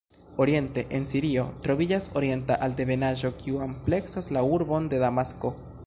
Oriente, en Sirio, troviĝas Orienta Altebenaĵo kiu ampleksas la urbon de Damasko.